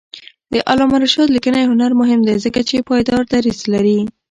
د علامه رشاد لیکنی هنر مهم دی ځکه چې پایدار دریځ لري.